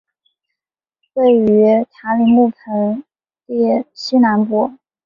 位于塔里木盆地西南部。